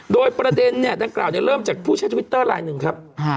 โดยประเด็นเนี่ยดังกล่าวเริ่มจากผู้ใช้ทวิตเตอร์ลายหนึ่งครับ